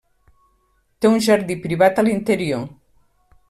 Té un jardí privat a l'interior.